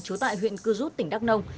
chú tại huyện cư rút tỉnh đắk nông